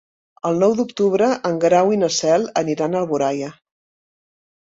El nou d'octubre en Grau i na Cel aniran a Alboraia.